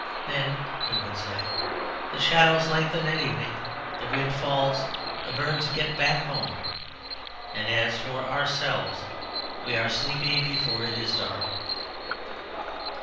Then (he would say) the shadows lengthen at evening, the wind falls, the birds get back home. And as for ourselves, we are sleepy before it is dark.